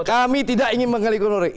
kami tidak ingin menggelikan orde baru